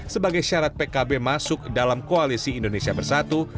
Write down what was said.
sebagai syarat pkb masuk dalam koalisi indonesia bersatu